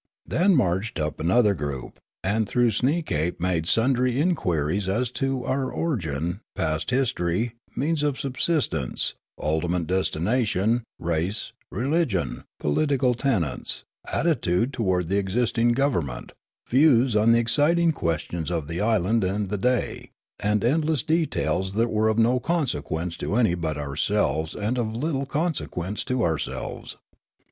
Then marched up another group, and through Sneekape made sundry inquiries as to our origin, past history, means of subsistence, ultimate destination, race, re ligion, political tenets, attitude towards the existing government, views on the exciting questions of the island and the day, and endless details that w^ere of no consequence to any but ourselves and of little conse quence to ourselves.